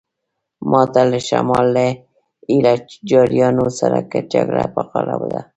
ماته له شمال له ایله جاریانو سره جګړه په غاړه ده.